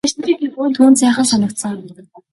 Түүнд сайхан санагдсан.